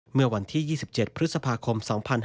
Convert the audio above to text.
เมื่อวันที่๒๗พฤษภาคม๒๕๕๙